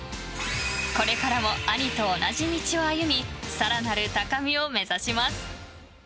これからも兄と同じ道を歩み更なる高みを目指します。